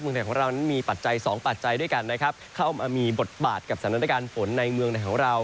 ไทยของเรานั้นมีปัจจัยสองปัจจัยด้วยกันนะครับเข้ามามีบทบาทกับสถานการณ์ฝนในเมืองในของเรา